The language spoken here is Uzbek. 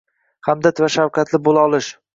Hamdard va shafqatli bo‘la olish.